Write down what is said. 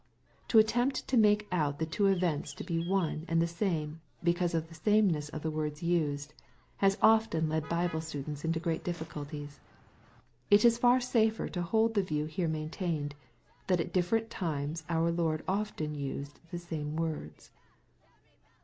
— To attempt to make out the two events to be one and the same, because of the sameness of the words used, has often led Bible students into great diflEiculties. It is far safer to hold the view here maintained, that at differ ent times our Lord often used the same words.